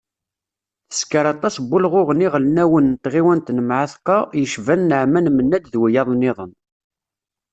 Tessker aṭas n wulɣuɣen iɣelnawen n tɣiwant n Mεatqa, yecban Naɛman Menad d wiyaḍ-nniḍen.